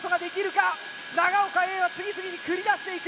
長岡Ａは次々に繰り出していく。